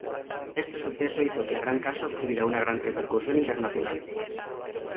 Éste suceso hizo que el caso obtuviera una gran repercusión internacional.